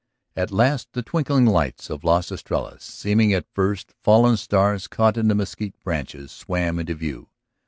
At last the twinkling lights of Las Estrellas, seeming at first fallen stars caught in the mesquite branches, swam into view.